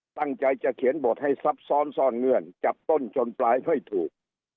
ตั้งใจจะเขียนบทให้ซับซ้อนซ่อนเงื่อนจับต้นจนปลายค่อยถูก